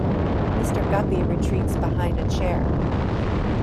Mr. Guppy retreats behind a chair.